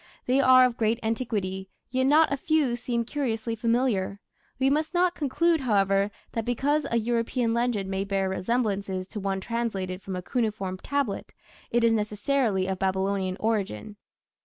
They are of great antiquity, yet not a few seem curiously familiar. We must not conclude, however, that because a European legend may bear resemblances to one translated from a cuneiform tablet it is necessarily of Babylonian origin.